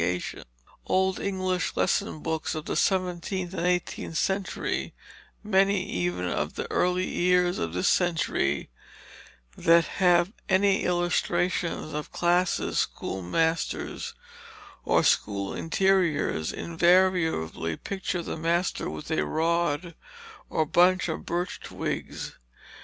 Illustration from Plain Things for Little Folks] Old English lesson books of the seventeenth and eighteenth centuries, many, even, of the early years of this century, that have any illustrations of classes, schoolmasters, or school interiors, invariably picture the master with a rod or bunch of birch twigs.